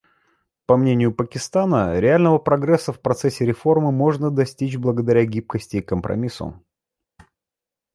По мнению Пакистана, реального прогресса в процессе реформы можно достичь благодаря гибкости и компромиссу.